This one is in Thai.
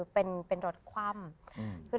เป็นรถคว่ำ